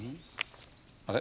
あれ？